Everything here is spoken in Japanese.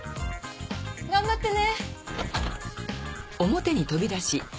頑張ってね。